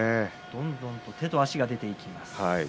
どんどん手と足が出てきます。